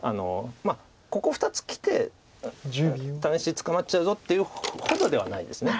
ここ２つきてタネ石捕まっちゃうぞっていうほどではないです